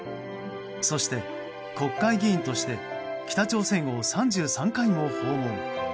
そして、国会議員として北朝鮮を３３回も訪問。